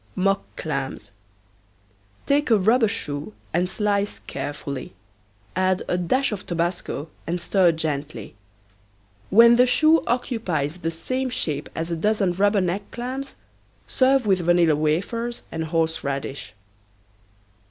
MOCK CLAMS. Take a rubber shoe and slice carefully. Add a dash of tobasco and stir gently. When the shoe occupies the same shape as a dozen rubber neck clams serve with vanilla wafers and horseradish.